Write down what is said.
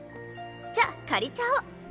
じゃあ借りちゃお。